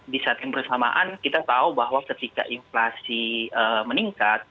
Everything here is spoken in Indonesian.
di saat yang bersamaan kita tahu bahwa ketika inflasi meningkat